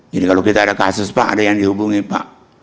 jadi kalau kita ada kasus pak ada yang dihubungi pak